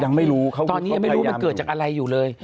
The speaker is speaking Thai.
ยังไม่รู้เขาตอนนี้ยังไม่รู้มันเกิดจากอะไรอยู่เลย